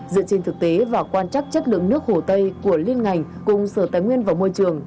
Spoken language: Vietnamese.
dựa trên thực tế và quan trắc chất lượng nước hồ tây của liên ngành cùng sở tài nguyên và môi trường